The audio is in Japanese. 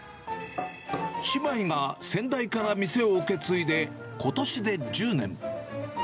姉妹が先代から店を受け継いでことしで１０年。